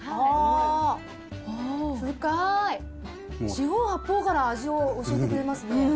四方八方から味を教えてくれますね。